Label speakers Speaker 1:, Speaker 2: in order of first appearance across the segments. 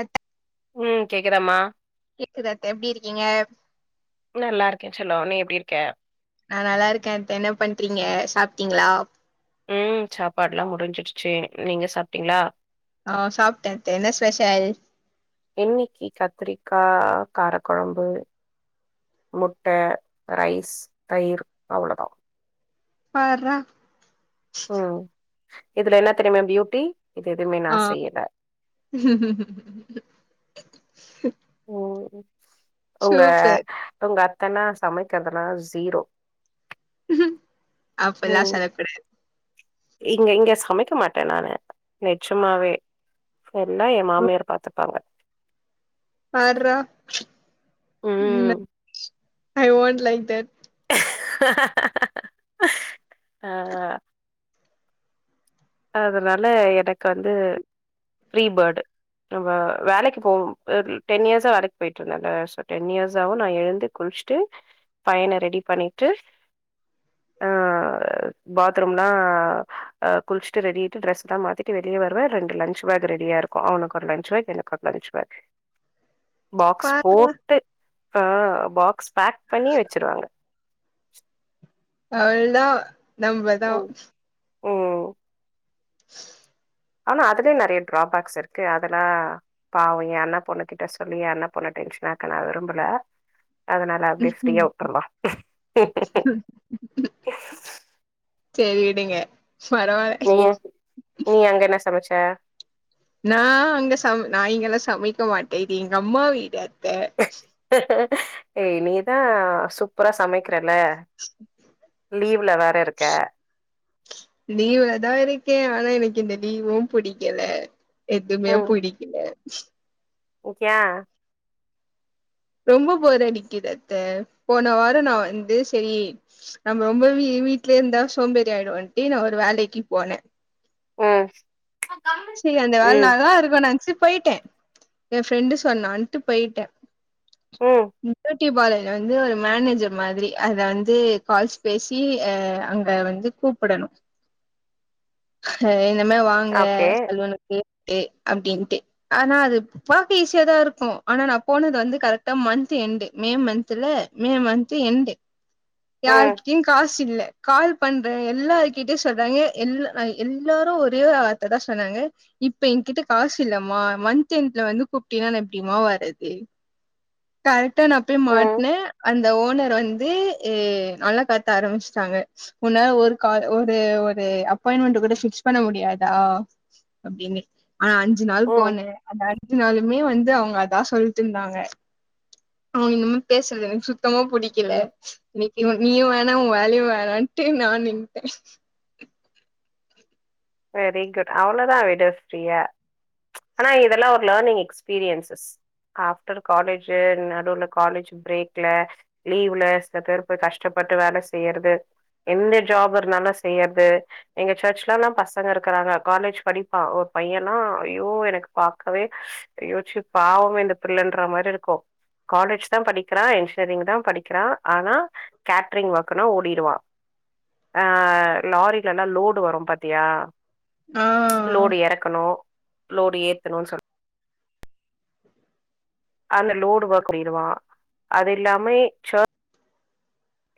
Speaker 1: அத்த
Speaker 2: ம் கேக்குதமா
Speaker 1: கேக்குது அத்த எப்டி இருக்கீங்க
Speaker 2: நல்லா இருக்கே செல்லோ நீ எப் ப்டி இருக்கே
Speaker 1: நா நல்லாருக்கே அத்த என்ன பண்றீங்க சாப்டீங்ளா
Speaker 2: ம் சாப்பாடுலா முடுஞ்சிட்ச்சி நீங்க சாப்டீங்ளா
Speaker 1: ஆ சாப்ட்டே அத்த என்ன ஸ்வெஷல்
Speaker 2: காரகொழம்பு முட்ட ரைஸ் தயிர் அவுளோதா
Speaker 1: பார்றா
Speaker 2: ம் இதுல என்னா தெரியுமே பியூட்டி இது எதுவுமே நா
Speaker 1: ஆ
Speaker 2: செய்யல ஓ ஹோ உங்க
Speaker 1: சூப்பர்
Speaker 2: உங்கத் தன்னா சமைக்கற்தனா சீரோ
Speaker 1: அப்புல்லா சொல கூடா
Speaker 2: இங்க இங்க சமைக்க மாட்ட நானு நெச்சுமாவே எல்லா எ மாமியார் பாத்துப்பாங்க
Speaker 1: பார்ரா ம் ஐ வோண்ட் லைக் தட்
Speaker 2: ஆ அதனால எனக்கு வந்து ஃப்ரீ பர்டு நம்ம வேலைக் போம் அ டென் இயர்ஸா வேலைக்கு போயிட்டு இருந்தேல சொ டென் இயர்ஸ்ஸாவு நா எழுந்து குளிச்சுட்டு பையன ரெடி பண்ணிட்டு ஆ பாத்ரூம்லா அ குள்ச்சுட்டு ரெடி ஆய்ட்டு டிரெஸ்லா மாத்திட்டு வெளிய வரவே ரெண்டு லன்ச் பேக் ரெடியா இருக்கோ அவனுக்கொரு லஞ்ச் பேக் எனக்கொரு லஞ்ச் பேக் பாக்ஸ்
Speaker 1: பார்றா
Speaker 2: போட்டு ஆ பாக்ஸ் பேக் பண்ணி வெச்சிருவாங்க
Speaker 1: அவுள்தா நம்பதா
Speaker 2: ஓ ஆனா அதுலயே நெறைய டிராபேக்ஸ் இருக்கு அதெல்லா பாவ ஏ அண்ணா பொண்ணு கிட்ட சொல்லி அண்ணா பொண்ண டென்ஷனாக்க நா விரும்பல அதனால அப்டியே ஃப்ரீயா வுட்டுர்லா
Speaker 1: சேரி விடுங்க பரவால்ல
Speaker 2: நீங்க நீ அங்க என்ன சமச்ச
Speaker 1: நா இங்க சம் நா இங்கெல்லா சமைக்க மாட்டே இது எங்க அம்மா வீடு அத்த
Speaker 2: ஏய் நீதா சூப்பரா சமைக் குறேல வெளிய
Speaker 1: லீவுல தா இருக்கே ஆனா எனக் கு இந்த லீவு புடிக்கல எதுமே புடிக்கல
Speaker 2: ஓகேயா
Speaker 1: ரொம்பொ போர் அடிக்குது அத்த போன வாரோ நா வந்து செரி நம்ம ரொம்ப வீ வீட்லயே இருந்தா சோம்பேறி ஆயிடுவோன்ட்டு நா ஒரு வேலைக்கு போனே
Speaker 2: ம்
Speaker 1: செரி அந்த வேல
Speaker 2: ம்
Speaker 1: நல்லா இருக்கு நெனச்சு போயிட்டே எ ஃப்ரெண்டு சொன்னான்டு போயிட்டே ம் போய்ட் டி [unintelligible] வந்து ஒரு மேனேஜர் மாதிரி அத வந்து கால்ஸ் பேசி ஆ அங்க வந்து கூப்புடணு ஹ என் இன்னிமே வாங்க
Speaker 2: ஓகே
Speaker 1: சலூனுக்கு கு அப்டின்ட்டு ஆனா அது பாக்க ஈஸியா தா இருக்கு ஆனா நா போனது வந்து கரெக்டா மந்த்து எண்டு மே மந்துல மே மந்த்து எண்டு
Speaker 2: ம்
Speaker 1: யாருக்கிட்டயு காஸ் சு இல்ல கால் பண்ற எல்லார்க்கிட்டயு சொல்றாங்க எல்ல அ எல்லாரு ஒரே வார்த்ததா சொன்னாங்க இப்ப எகிட்ட காசு இல்லமா மந்த் எண்டுல வந்து கூப்ட்டினா நா எப்டிமா வரது க ரக்ட்டா நா போய்
Speaker 2: ம்
Speaker 1: மாட்னே அந்த ஓனர் வந்து ஏ நல்லா கத்த ஆரம்பிச்சிட்டாங்க முன்ன ஒரு கால் ஒரு ஒரு அப் அப்பாயின்மெண்ட் கூட பிக்ஸ் பண்ண முடியாதா அப்படீன்னு ஆனா அஞ்சு நாள்
Speaker 2: ம்
Speaker 1: போனேன் அந்த அஞ்சு நாளுமே வந்து அவங்க அதா சொல்லிட்டு இருந்தாங்க அவங்க இன்னும பேசுறது எனக்கு சுத் சுத்தம புடிக்கல
Speaker 2: ம்
Speaker 1: இன்னிக்கி நீயும் வேணா உண் வேலையும் வேணாட்டு நான் நின்டன்
Speaker 2: வெரி குட் அவ்ளோதான் விடு ஃபிரீயா ஆனா இதெல்லாம் ஒரு லேர்னிங் எக்ஸ்பீரியன்ஸஸ் ஆஃப்டர் காலேஜ் நடுவுல காலேஜ் பிரேக்ல லீ்வுல சில பேர் கஷ்டப்பட்டு வேலை செய்யிறது எந்த ஜாப் இருந்தாலும் செய்யிறது எங்க ஃபிரண்ட்ஸ் ல ப பசங்க இருக்கிறாங்க காலேஜ் படிப்பான் ஒரு பையன்லாம் ஐயோ எனக்கு பார்க்கவே ஐயோ ச்சு பாவம் இந்த பிள்ளைன்ற மாதிரி இருக்கும் காலேஜ் தான் படிக்கிறான் என்ஜினீயரிங் தான் படிக்கிறான் ஆனா கேட்டரிங் ஒர்க்னா ஓடிடுவான் ஆஹ் லாரில எல்லாம் லோடு வரும் பாத்தியா
Speaker 1: ஆ
Speaker 2: லோடு இறக்கணும் லோரி ஏத்தணும்ன்னனு சொல்லன் அந்த லோடு ஒர்க் பண்ணடுவான் அது எல்லாமே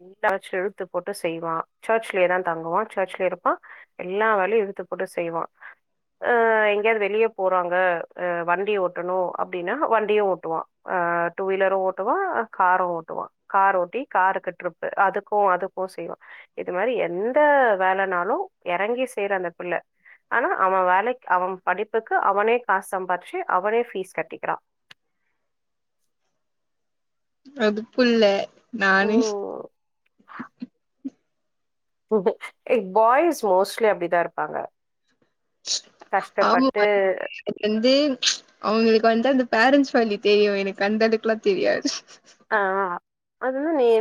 Speaker 2: எல்லச்சும் இழுத்து போட்டு செய்வான் சர்ச்லயேதான் தங்குவான் சர்ச்லயே இருப்பான் எல்லா வேலையும் இழுத்து போட்டு செய்வான் அஹ் எங்கேயாவது வெளியே போறாங்க அஹ் வண்டி ஓட்டணும் அப்படின்னா வண்டியும் ஓட்டுவான் ஆஹ் டூ வீலரும் ஓட்டுவான் காரும் ஓட்டுவான் கார் ஓட்டி காரு க இரு அதுக்கும் அதுக்கும் செய்யான் இது மாதிரி எந்த வேலைனாலும் இறங்கி செய்ற அந்த பிள்ளை ஆனா அவன் வேலை அவன் படிப்புக்கு அவனே காச சம்பாச்சி அவனே பபீஸ் கட்டிக்கிறான்
Speaker 1: அது புள்ள நானே
Speaker 2: உம் க் பாய்ஸ் மோஸ்ட்லி அப்படிதான் இருப்பாங்க
Speaker 1: ஆமா
Speaker 2: கஷ்டப்பட்டு
Speaker 1: அது வந்து அவங்களுக்கு வந்து அந்த பேரண்ட்ஸ் வலி தெரியும் என கண்டெடுக்கலாம் தெரியாது
Speaker 2: ஆஹ் அதுான் நீ இ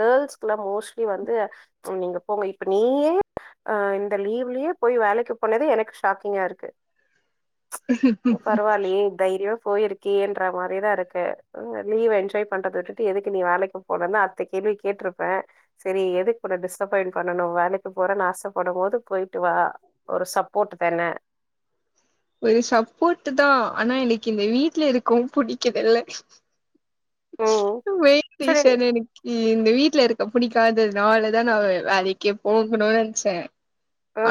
Speaker 2: கேர்ள்ஸ்க்க எல்லாம் மோஸ்ட்லி வந்து நீங்க போங்க இப்ப நீயே அஹ் இந்த லீவ்லயே போய் வேலைக்கு போனதே எனக்கு ஷாக்கிங்கா இருக்கு பரவாலி தைரியம் போயிருக்கேன்ற மாதிரிதான் இருக்கு லீவ் என்ஜாய் பண்றத விட்டுட்டு எதுக்கு நீ வேலைக்கு போனும் தான் அத்தை கேள்வி கேட்டிருப்பேன் சரி எதுக்கு உ டிசப்பாயிண்ட் பண்ணணும் வேலைக்கு போறேன்னு ஆசைப்படும் போோது போயிட்டு வா ஒரு சப்போர்ட்ட் தானே
Speaker 1: ஒரு சப்போர்ட்ட் தான் ஆனா எனக்கு இந்த வீட்டுல இருக்கும்வும் பிடிக்கதல
Speaker 2: ம் சரி
Speaker 1: யஷன் எனக்கு இந்த வீட்டுல இருக்க பிடிக்காததுனாலதான் நான் வேலைக்கே போகணும்னு நினைச்சேன்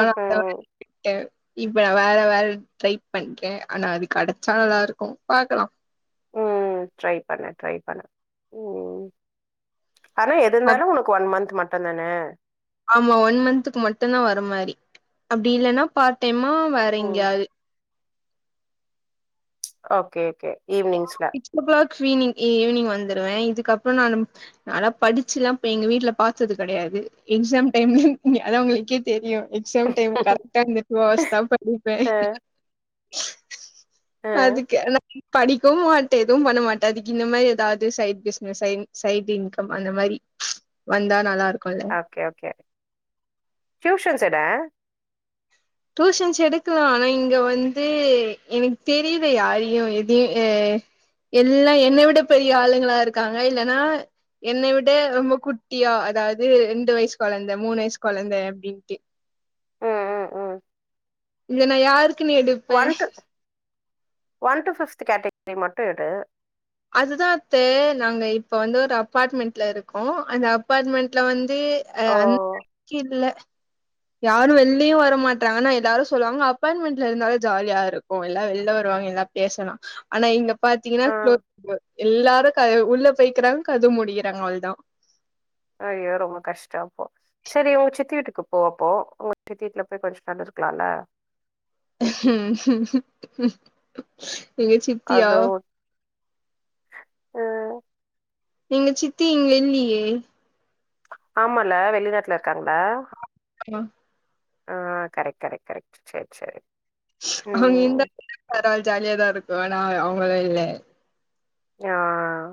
Speaker 1: ஆன ப வறுவறு ட்ரை பண்றேன் ஆனா அது கிடைச்சா நல்லா இருக்கும் பாக்கலாம்
Speaker 2: உம் டரை பண்ணன் ட்ரை பண்ண உம் ஆனா எது
Speaker 1: அப்
Speaker 2: இருந்தாலும் உனக்கு ஒன் மந்த் மட்டும் பத்த தானே
Speaker 1: ஆமா ஒன் மந்த்துக்கு மட்டுும்்தான் வர மாதிரி அப்படி இல்லைன்னா பார் டைமா
Speaker 2: ம்
Speaker 1: வரைங்காது
Speaker 2: ஓகே ஓகே ஈவினிங்ஸ்ல
Speaker 1: சிக்ஸ் ஓ கிளாக் ஸ்வீனி் ஈவினிங் வந்துடுவேன் இதுக்கப்புறம் நான் நல்லா படிச்சல்லாம்் எங்க வீட்டல பார்த்தது கிடையாது எக்ஸாம் டைம்லங்க அதது உங்களுக்கே தெரியும் எக்ஸாம் டைம் கரெக்டா இருந்தட்டு வஸ்தா படிப்பேன்
Speaker 2: அ அ
Speaker 1: அதுக்க படிக்கவும் மாட்டேன் எதுவும் பண்ண மாட்டேன் அதுக்கு இந்த மாதிரி ஏதாவது சைட் பிஸ்னஸ் சை சைட் இன்கம் அந்த மாதிரி வந்தா நல்லா இருக்கும்
Speaker 2: ஓகே ஓகே டியூஷன்ஸ் இட
Speaker 1: டியூசன்ஸ் எடுக்கலாம் ஆனா இங்க வந்து எனக்கு தெரியுல யாரையும் எதையும் அஹ் எல்லாம் என்னை விட பெரிய ஆளுங்களா இருக்காங்க இல்லைன்னா என்னை விட ரொம்ப குட்டியா அதாவது ரெண்டு வயசு குழந்தை மூணு வயசு குழந்தை அப்படின்ட்டு
Speaker 2: ஆஹ் ஆஹ்
Speaker 1: இ நான் யாருக்கு நீ எடுப்பேன்
Speaker 2: ஒன் டு பிப்த் கேட்டகரி மட்டும் இடு
Speaker 1: அதுதான் நாங்க இப்ப வந்து ஒரு அபார்ட்மெண்ட்ல இருக்கோம் அந்த அப்பார்ட்மெண்ட்ல வந்து அது
Speaker 2: ஓ
Speaker 1: அந்த [unintelligible] க்கில்ல யாரும் வெள்லியு வர மாட்டாங்கன்னா எல்லாரும் சொல்லுவாங்க அப்பார்ட்மெண்ட்ல இருந்தாலு ஜாலியா இருக்கு எல்லா வெளில வருவாங்க எல்லா பேசலா ஆனா இங்க பாத்தீங்கன்னா
Speaker 2: ஆ
Speaker 1: [unintelligible] எல்லாரு க உள்ள போய்க்கிறாங்க கதவ மூடிகிறாங்க அவ்ளதா
Speaker 2: ஐயோ ரொம்ப கஷ்டோ அப்போ சரி உங்க சித்தி வீட்டுக்கு போ அப்போ உங்க சித்தி வீட்டுல போய் கொஞ்சொ நேரொ இருக்கலாம்ல
Speaker 1: எங்க சித்தியா
Speaker 2: உம்
Speaker 1: எங்க சித்தி இங்க இல்லியே
Speaker 2: ஆமால வெளிநாட்டுல இருக் காங்கங்ளா
Speaker 1: ஆமா
Speaker 2: ஆஹ் கரெக்ட் கரெக்ட் கரெக்ட் சரி சரி
Speaker 1: அவங்க
Speaker 2: ம்
Speaker 1: [unintelligible] ஜாலியா தா இருக்கு நா அவங்களதா இல்ல
Speaker 2: ஆஹ்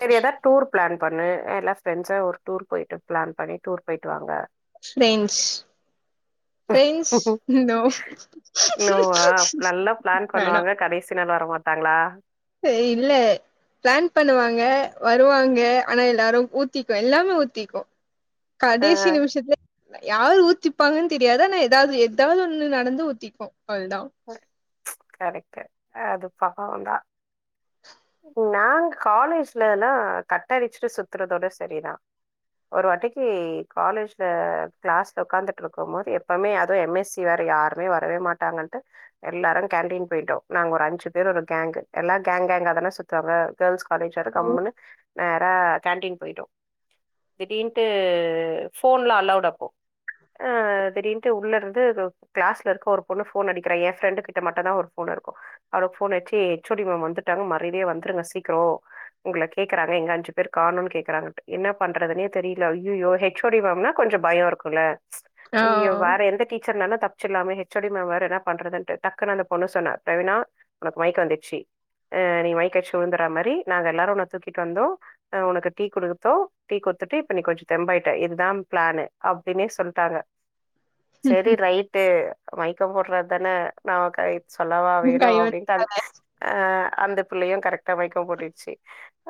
Speaker 2: செரி ஏதா டூர் பிளான் பண்ணு எல்லா ஃப்ரெண்ட்ஸு ஒரு டூர் போயிட்டு பிளான் பண்ணி டூர் போயிட்டு வாங்க
Speaker 1: ஃபிரென்ட்ஸ் ஃபிரென்ட்ஸ் நோ
Speaker 2: நோவா நல்லா பிளான்
Speaker 1: மேடம்
Speaker 2: பண்ணுவாங்க [unintelligible] வர மாட்டாங்களா
Speaker 1: சே இல்ல பிளான் பண்ணுவாங்க வருவாங்க ஆனா எல்லாரு ஊத்திக்கு எல்லாமே ஊத்திக்கு
Speaker 2: ஆ
Speaker 1: கடேசி நிமிஷத்துல யாரு ஊத்திப்பாங்கன்னு தெரியாது ஆனா ஏதாவது எதாவது ஒன்னு நடந்து ஊத்திக்கு அவல்தா
Speaker 2: கரெக்ட் அது பாவந்தா நாங்க காலேஜ்லலா கட்டடிச்சுட்டு சுத்துறதோட செரிதா ஒரு வாட்டிக்கு காலேஜ்ல கிளாஸ்ல உட்காந்துட்ருக்கு போது எப்பமே அதுவு எம் எஸ் சி வேற யாருமே வரவே மாட்டாங்கன்ட்டு எல்லாரு கேன்டீன் போயிட்டோ நாங்க ஒரு அஞ்சு பேர் ஒரு கேங்கு எல்லா கேங் கேங்காதான சுத்துவாங்க கேர்ள்ஸ் காலேஜ் வேர கம்முன்னு நேரா கேண்டீன் போய்ட்டோ திடீர்ன்ட்டு போன்லா அலௌட் அப்போ ஆ திடீர்ன்ட்டு உள்ள இருந்து ஏதோ கிளாஸ்ல இருக்க ஒரு பொண்ணு போன் அடிக்கிறா என் ஃப்ரெண்டு கிட்ட மட்டுதா ஒரு ஃபோன் இருக்கு அவளுக்கு போன் அடிச்சு ஹெச்சோடி மேம் வந்துட்டாங்க மத் [unintelligible] வந்துருங்க சீக்கரொ உங்கள கேறாங்க எங்க அஞ்சு பேர் காணோன்னு கேக்கறாங்க என்ன பண்றதுனே தெரில ஹெச் ஓ டி மேம்னா கொஞ்சொ பயொ இருக்குல்ல
Speaker 1: ஆ
Speaker 2: ஐயோ வேற எந்த டீச்சர்னாலு தப்சர்லாமே ஹெச் ஓ டி மேம் வேற என்ன பண்றதுன்டு டக்குன்னு அந்தப் பொண்ணு சொன்னா பிரவீனா உனக்கு மயக்க வந்துச்சி நீ மயக்க அச்சி விழுந்துறா மாரி நாங்க எல்லாரு உன்ன தூக்கிட்டு வந்தோ உனக்கு டீ குடுத்தோ டீ குத்துட்டு இப்ப நீ கொஞ்சொ தெம்பாயிட்ட இதுதா பிளானு அப்டீனே சொல்ட்டாங்க செரி ரைட்டு மயக்க போட்றதான நமக்கு சொல்லவா வேணு
Speaker 1: கை வந்
Speaker 2: அப்டின்ட்டு அ அஹ் அந்த பிள்ளையு கரெக்டா மயக்கொ போட்டுருச்சு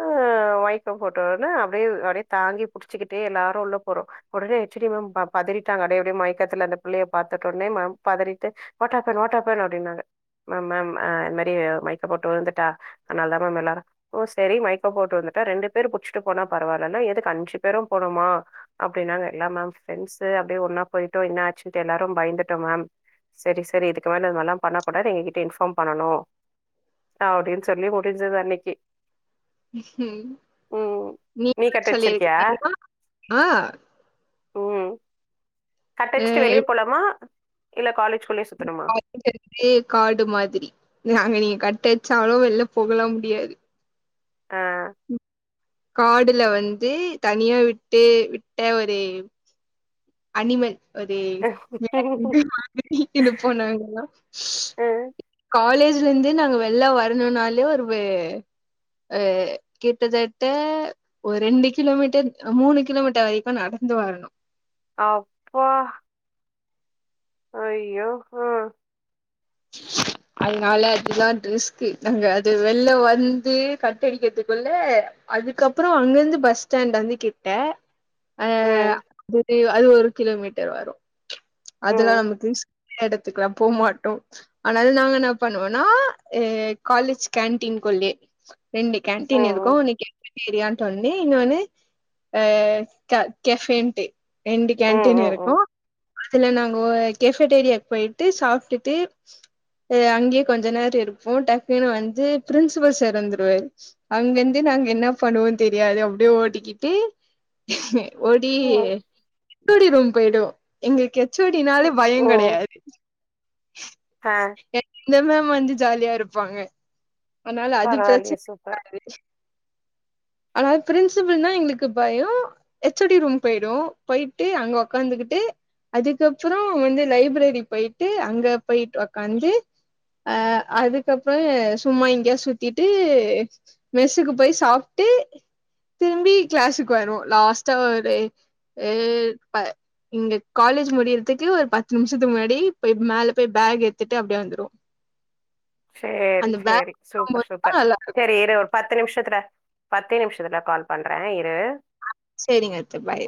Speaker 2: ஆஹ மயக்கொ போட்டோன அப்படியே அப்படியே தாங்கிப் புடிச்சுக்கிட்டே எல்லாரு உள்ள போறோ உடனே ஹெச் ஓ டி மேம் பதறிட்டாங்க அப்டி அப்டியேஸ மயக்கத்துல அந்த பிள்ளைய பாத்தட்ட ஒடனே பதறிட்டு வாட்டேப்பன் வாட்டேப்பன் அப்டின்னாங்க மேம் இந்த மாரி மயக்கம் போட்டு உளுந்துட்டா அதனாலதா மேம் எல்லாரு ஓ செரி மயக்கோ போட்டு உளுந்துட்டா ரெண்டு பேரு புடிச்சுட்டு போனா பரவால்லன்ன எதுக்கு அஞ்சு பேரு போனுமா அப்டின்னாங்க இல்ல மேம் ஃபிரென்ட்சு அப்படியே ஒன்னா போய்டோ என்ன ஆச்சுன்னு தெரில எல்லாரு பயந்துட்டோ மேம் செரி செரி இதுக்கு மேல இந்த மாரில்லா பண்ண கூடாது எங்க கிட்ட இன்பார்ம் பண்ணனு அப்டின்னு சொல்லி முடிஞ்சுது அன்னைக்கு ம் நீ கட் அடிச்சிருக்கியா
Speaker 1: [unintelligible]
Speaker 2: கட்டச்சிட்டு வெளியே போலாமா இல்ல காலேஜ்
Speaker 1: ந்து காடு மாதிரி நாங்க நீங்க கட் ட்டயச்சாலும் வெளில போகலாம் முடியாது
Speaker 2: ஆஹ்
Speaker 1: காடுல வந்து தனியா விட்டு விட்ட ஒரு அனிமல் [inaudible]
Speaker 2: ஆ
Speaker 1: காலேஜ்லருந்து நாங்க வெள்ள வரணும்னாலே ஒரு அஹ கிட்டத்தட்ட ஒரு ரெண்டு கிலோமீட்டர் மூணு கிலோமீட்டர் வர நடந்து வரணும்
Speaker 2: அப்பா ஐயோ ஹம்
Speaker 1: அதனால அதுலா ரிஸ்க் நாங்க அது வெள்ல வந்து கட்டடிக்கிறதுக்குள்ள அதுக்கப்புறம் அங்கிருந்து பஸ் ஸ்டாண்ட் வந்து கிட்ட அஹ்
Speaker 2: ம்
Speaker 1: அ அது ஒரு கிலோமீட்டர் வரும் அதெல்லாம்
Speaker 2: ம்
Speaker 1: நமக்கு எடத்துக்கலாம் போகமாட்டோம் ஆனால நாங்க என்ன பண்ணுவோம்னா காலேஜ் கேன்டீன்குள்ளயே ரெண்டு
Speaker 2: ம்
Speaker 1: கேண்டீன்
Speaker 2: ம்
Speaker 1: இருக்கும் பெரியாண்டோல்னி இங்கவந்து அ க கஃபேனுட்டு ரெண்டு
Speaker 2: ம்
Speaker 1: கேன்டீன்
Speaker 2: ம்
Speaker 1: இருக்கும் அதுல நாங்க கெஃபட்டேரியா போயிட்டு சாப்பிட்டுட்டு அங்கேயே கொஞ்ச நேரம் இருப்போம் டக்குனு வந்து பிரின்சிபல் சார் இருந்துருவாரு அங்கிருந்து நாங்க என்ன பண்ணுவோம்ன்னு தெரியாது அப்படியே ஓடிகிட்டு ஓடி
Speaker 2: ம்
Speaker 1: டி ரூம் போயிடும் எங்களுக்கு எச்சோடினாலே
Speaker 2: ம்
Speaker 1: பயம்
Speaker 2: ம்
Speaker 1: கிடையாது
Speaker 2: ஆ
Speaker 1: இந்த மேம் வந்து ஜாலியா இருப்பாங்க அதனால அது
Speaker 2: பரவால்லயே
Speaker 1: பிரச்சனை
Speaker 2: சூப்பர்
Speaker 1: அதாவது பிரின்சிபல்னா எங்களுக்கு பயம் எச்ஓடி ரூம் போய்டுவோம் போயிட்டு அங்க உக்காந்துகிட்டு அதுக்கப்புறம் வந்து லைப்ரரி போயிட்டு அங்க போயி உக்காந்து அஹ் அதுக்கப்புறம் சும்மா இங்கேயா சுத்திட்டு மெஸுக்கு போய் சாப்ட் ட்டு திரும்பி கிளாஸுக்கு வரும் லாஸ்டா ஒரு இங்க காலேஜ் முடியறதுக்கு ஒரு பத்து நிமிஷத்துக்கு முன்னாடி போய் மேல போய் பேக் எடுத்துட்டு அப்படியே வந்துருவோம்
Speaker 2: சரி
Speaker 1: அந்த
Speaker 2: சரி
Speaker 1: பேக்
Speaker 2: சூப்பர் சூப்பர்
Speaker 1: நல்லாருக்கும்.
Speaker 2: சரி இரு ஒரு பத்து பத்து நிமிஷத்துல பத்து நிமிஷத்துல கால் பண்றேன் இரு
Speaker 1: சரிங்க பாய்